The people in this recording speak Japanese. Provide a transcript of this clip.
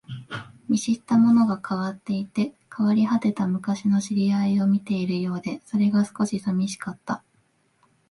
見知ったものが変わっていて、変わり果てた昔の知り合いを見ているようで、それが少し寂しかった